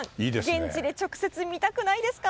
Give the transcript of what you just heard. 現地で直接見たくないですか？